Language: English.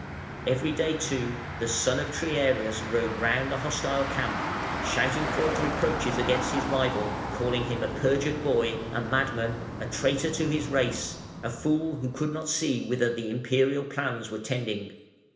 Every day, too, the son of Triarius rode round the hostile camp, shouting forth reproaches against his rival, calling him "a perjured boy, a madman, a traitor to his race, a fool who could not see whither the Imperial plans were tending.